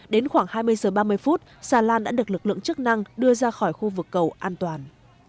đến khoảng hai mươi giờ ba mươi phút xà lan đã được lực lượng chức năng đưa ra khỏi khu vực cầu an toàn